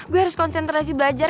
terus konsentrasi belajar